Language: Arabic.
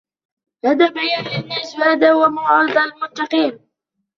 هذا بيان للناس وهدى وموعظة للمتقين